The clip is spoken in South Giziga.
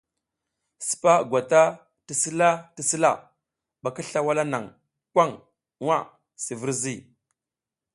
Sipa gwata ti sila ti sila ɓa ki sla wala naŋ kwaŋ ŋha si virzi.